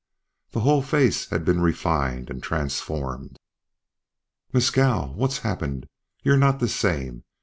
The whole face had been refined and transformed. "Mescal! What's happened? You're not the same.